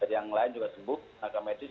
yang lain juga sembuh